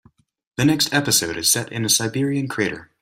The next episode is set in a Siberian crater.